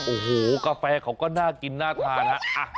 โอ้โหกาแฟเขาก็น่ากินน่าทานฮะ